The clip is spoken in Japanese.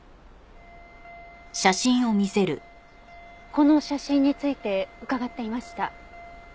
この写真について伺っていました。